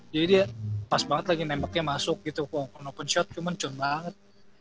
jadi pas banget lagi nembaknya masuk gitu kalo open shot cuman cun banget